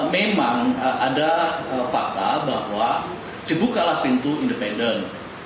memang ada fakta bahwa dibukalah pintu independen